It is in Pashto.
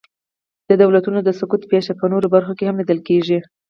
د دولتونو د سقوط پېښې په نورو برخو کې هم لیدل کېږي.